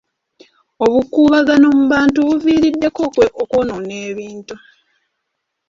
Obukuubagano mu bantu buviiriddeko okwonoona ebintu.